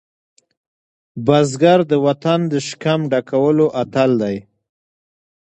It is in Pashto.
بزګر د وطن د شکم ډکولو اتل دی